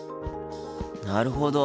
なるほど。